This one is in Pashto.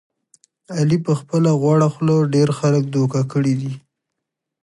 علي په خپله غوړه خوله ډېر خلک دوکه کړي دي.